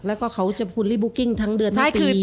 แล้วก็เค้าจะคุ้นลี่บุกกิ่งทั้งเดือนไม่ปี